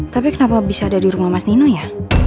tapi kenapa bisa ada di rumah mas nino ya